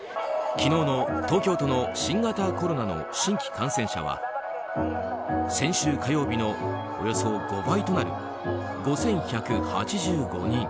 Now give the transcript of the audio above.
昨日の東京都の新型コロナの新規感染者は先週火曜日のおよそ５倍となる５１８５人。